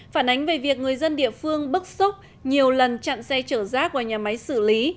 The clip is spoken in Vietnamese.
phản ánh về việc người dân địa phương bức xúc nhiều lần chặn xe chở rác vào nhà máy xử lý